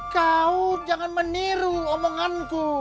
kau jangan meniru omonganku